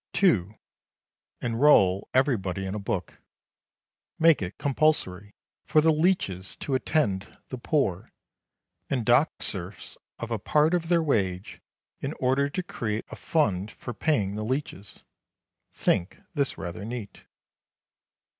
2. Enroll everybody in a book. Make it compulsory for the leeches to attend the poor, and dock serfs of a part of their wage, in order to create a fund for paying the leeches. (Think this rather neat.)